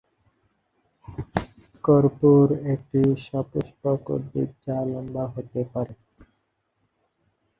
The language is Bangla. কর্পূর একটি সপুষ্পক উদ্ভিদ যা লম্বা হতে পারে।